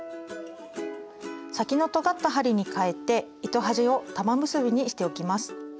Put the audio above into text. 先のとがった針にかえて糸端を玉結びにしておきます。